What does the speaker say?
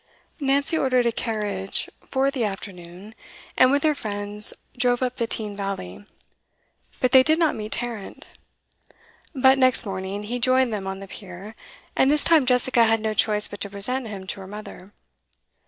Nancy ordered a carriage for the afternoon, and with her friends drove up the Teign valley; but they did not meet Tarrant. But next morning he joined them on the pier, and this time Jessica had no choice but to present him to her mother.